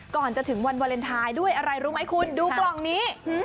ก่อนจะถึงวันวาเลนไทยด้วยอะไรรู้ไหมคุณดูกล่องนี้